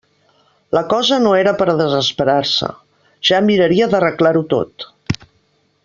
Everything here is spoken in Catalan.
La cosa no era per a desesperar-se; ja miraria d'arreglar-ho tot.